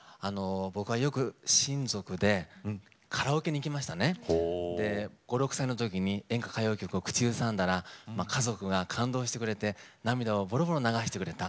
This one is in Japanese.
僕はよく親族でカラオケに行きまして５、６歳のときに演歌歌謡曲を口ずさんだら家族が感動してくれて涙をぼろぼろ流してくれた。